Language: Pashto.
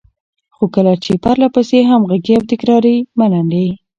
خو کله چې پرلهپسې، همغږې او تکراري ملنډې،